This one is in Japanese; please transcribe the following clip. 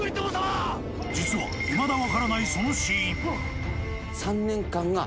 実は、いまだ分からないその死因。